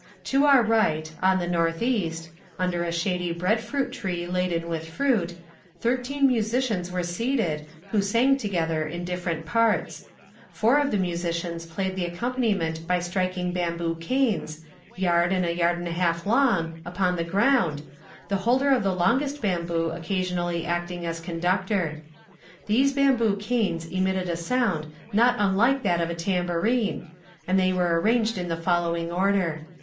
"To our right, on the north east, under a shady bread fruit tree laden with fruit, thirteen musicians were seated, who sang together in different parts. Four of the musicians played the accompaniment by striking bamboo canes, yard and a yard and a half long, upon the ground, the holder of the longest bamboo occasionally acting as conductor. These bamboo canes emitted a sound not unlike that of a tambourine, and they were arranged in the following order.